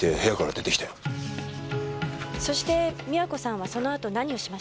そして美和子さんはそのあと何をしました？